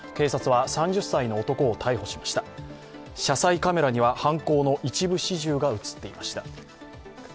車載のカメラには犯行の一部始終が映っていました。